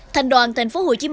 thành đoàn tp hcm